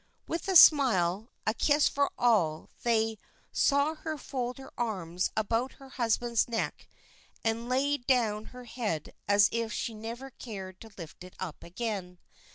With a smile, a kiss for all, they saw her fold her arms about her husband's neck, and lay down her head as if she never cared to lift it up again.